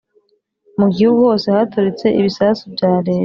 Mu gihugu hose haturitse ibisasu bya leta